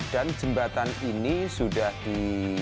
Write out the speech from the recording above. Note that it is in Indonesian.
dan jembatan ini sudah di